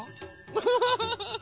ウフフフフ！